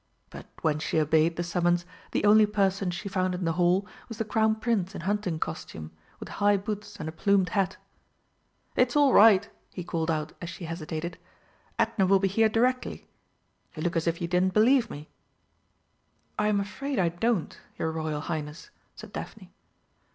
But when she obeyed the summons the only person she found in the hall was the Crown Prince in hunting costume, with high boots and a plumed hat. "It's all right," he called out as she hesitated, "Edna will be here directly.... You look as if you didn't believe me." "I'm afraid I don't, your Royal Highness," said Daphne.